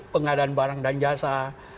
pengadaan barang dan jasa